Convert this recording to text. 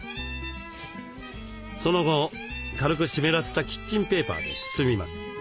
その後軽く湿らせたキッチンペーパーで包みます。